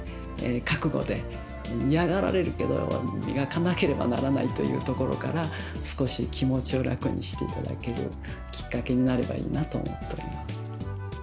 覚悟で「嫌がられるけどみがかなければならない」というところから少し気持ちを楽にして頂けるきっかけになればいいなと思っております。